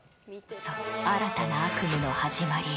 新たな悪夢の始まりへ。